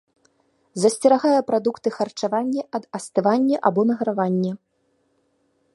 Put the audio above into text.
Засцерагае прадукты харчавання ад астывання або награвання.